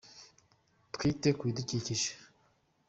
Twite ku bidukikije.